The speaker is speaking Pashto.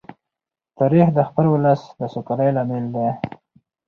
تاریخ د خپل ولس د سوکالۍ لامل دی.